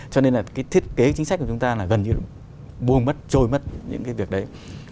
cho nên là cái thiết kế chính sách của chúng ta là gần như buông mất trôi mất những cái việc đấy